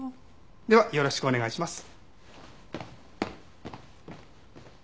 ではよろしくお願いします。